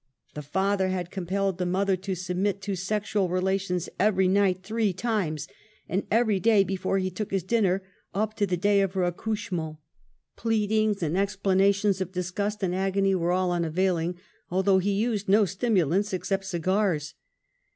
The father had compelled the mother to sobmit to sexual relations every night three times, and every^^ day before he took his dinner, up to the day of her accouchment ; pleadings and explanations of disgust/ and agony were all unavailing, although he used no stimulants except cigars.